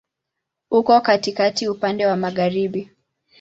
Uko katikati, upande wa magharibi.